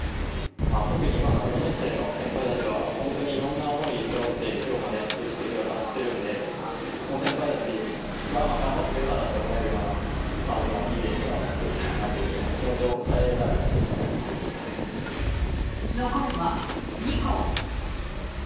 特に今の４年生の先輩たちは本当にいろんな思い背負ってきょうまでやってきてくださってるんで、その先輩たちが頑張っててよかったって思えるような、そのいいレースができたらなっていう、気持ちを伝えれたらなとい残るは２校。